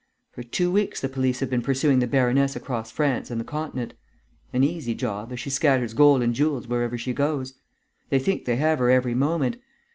For two weeks the police have been pursuing the baroness across France and the continent: an easy job, as she scatters gold and jewels wherever she goes. They think they have her every moment.